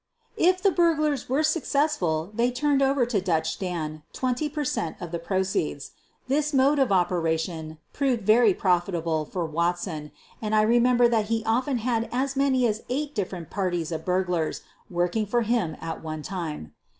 If the burglars were successful they turned over to " Dutch Dan" 20 per cent, of the proceeds. This mode of operation proved very profitable for Wat son, and I remember that he often had as many as eight different parties of burglars working for him at one time.